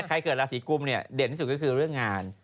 เกิดราศีกุมเนี่ยเด่นที่สุดก็คือเรื่องงาน